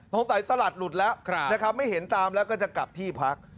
ตอนไหนสลัดหลุดแล้วไม่เห็นตามแล้วก็จะกลับที่พัก